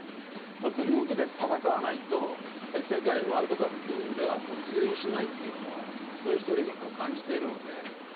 グループで戦わないと世界、ワールドカップでは通用しないというのを一人一人が感じているので。